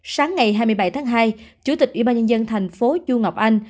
sáng ngày hai mươi bảy tháng hai chủ tịch ủy ban nhân dân thành phố chu ngọc anh